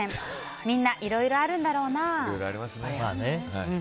みんないろいろあるんだろうな。